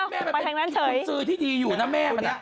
แม่มันเป็นคุณซื้อที่ดีอยู่นะแม่มัน